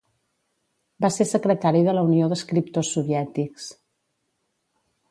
Va ser secretari de la Unió d'Escriptors Soviètics.